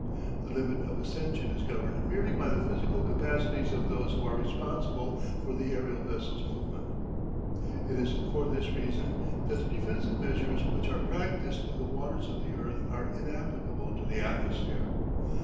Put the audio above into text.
The limit of ascension is governed merely by the physical capacities of those who are responsible for the aerial vessel's movement. It is for this reason that the defensive measures which are practised in the waters of the earth are inapplicable to the atmosphere.